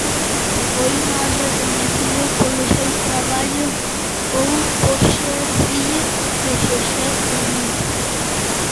Foi máis recoñecido polo seu traballo ou por ser fillo de Xosé Cuíña?